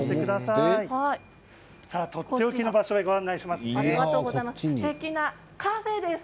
とっておきの場所をご紹介します。